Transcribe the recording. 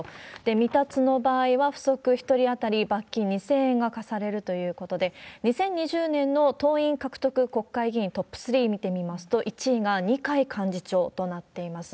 未達の場合は不足１人当たり罰金２０００円が科されるということで、２０２０年の党員獲得国会議員トップ３見てみますと、１位が二階幹事長となっています。